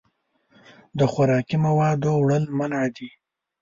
د خوراکي موادو وړل منع دي.